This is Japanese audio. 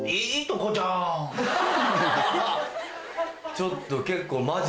ちょっと結構。